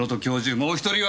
もう１人は！